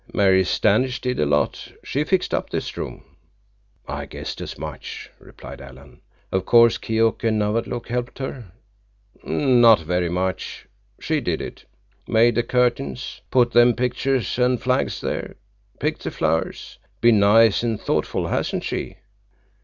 "Mary Standish did a lot. She fixed up this room." "I guessed as much," replied Alan. "Of course Keok and Nawadlook helped her." "Not very much. She did it. Made the curtains. Put them pictures and flags there. Picked the flowers. Been nice an' thoughtful, hasn't she?"